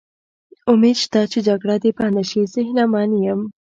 امید شته چې جګړه دې بنده شي، زه هیله من یم.